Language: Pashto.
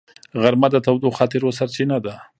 غرمه د تودو خاطرو سرچینه ده